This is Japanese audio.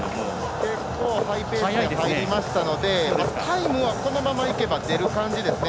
結構、ハイペースなのでタイムはこのままいけば出る感じですね。